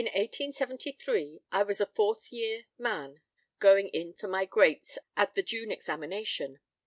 h3> In 1873 I was a fourth year man, going in for my Greats at the June examination.